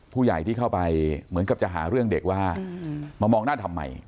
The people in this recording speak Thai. ผู้ใหญ่ที่เข้าไปเหมือนกับจะหาเรื่องเด็กว่ามามองหน้าทำไม